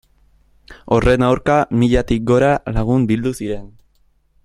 Horren aurka, milatik gora lagun bildu ziren.